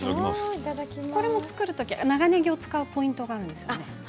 これも作るとき長ねぎを使うポイントがあるんですね。